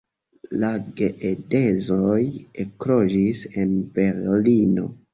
La geedzoj ekloĝis en Berlino.